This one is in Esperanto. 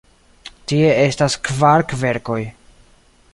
Tie estas kvar kverkoj.